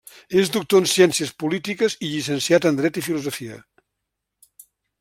És doctor en Ciències Polítiques, i llicenciat en Dret i Filosofia.